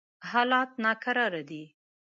حالات ناکراره دي.